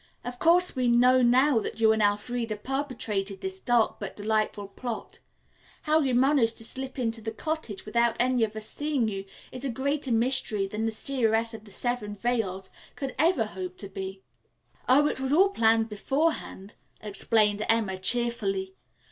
"Of course we know now that you and Elfreda perpetrated this dark but delightful plot. How you managed to slip into the cottage without any of us seeing you is a greater mystery than the Seeress of the Seven Veils could ever hope to be." "Oh, it was all planned beforehand," explained Emma cheerfully.